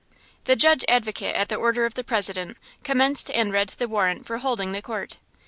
The Judge Advocate at the order of the President, commenced and read the warrant for holding the court.